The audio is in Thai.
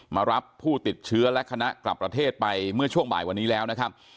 มารับผู้ติดเชื้อและคณะกลับประเทศไปเมื่อช่วงบ่ายวันนี้แล้วนะครับ